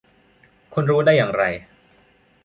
คุณรู้ได้อย่างไร